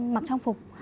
mặc trang phục